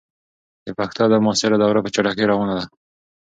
د پښتو ادب معاصره دوره په چټکۍ روانه ده.